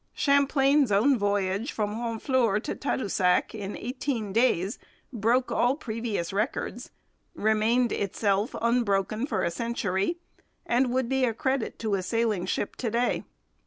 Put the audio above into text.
Champlain's own voyage from Honfleur to Tadoussac in eighteen days broke all previous records, remained itself unbroken for a century, and would be a credit to a sailing ship to day.